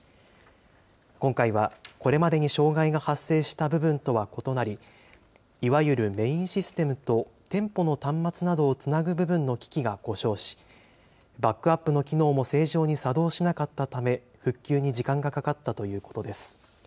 今回はこれまでに障害が発生した部分とは異なり、いわゆるメインシステムと店舗の端末などをつなぐ部分の機器が故障し、バックアップの機能も正常に作動しなかったため、復旧に時間がかかったということです。